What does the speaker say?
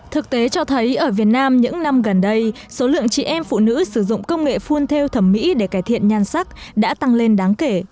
thực tế cho thấy ở việt nam những năm gần đây số lượng chị em phụ nữ sử dụng công nghệ phun theo thẩm mỹ để cải thiện nhan sắc đã tăng lên đáng kể